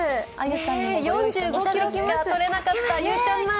４５ｋｇしかとれなかったゆうちゃん米。